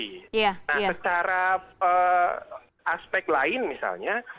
nah secara aspek lain misalnya